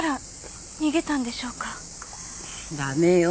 駄目よ。